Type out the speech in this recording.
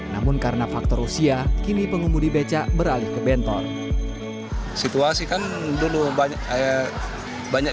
namun karena faktor usia kini pengemudi becak beralih ke bentor situasikan dulu banyak banyak